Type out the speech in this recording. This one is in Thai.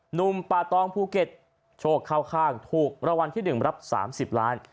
หนุ่มป่าตองภูเก็ตโชคเข้าข้างถูกรางวัลที่๑รับ๓๐ล้าน